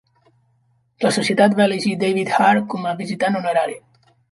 La societat va elegir David Hare com a visitant honorari.